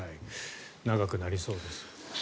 長くなりそうです。